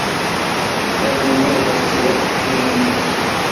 Era miembro de la Sociedad Linneana.